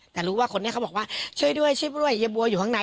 แต่รู้ว่าคนนี้เขาบอกว่าช่วยด้วยช่วยด้วยยายบัวอยู่ข้างใน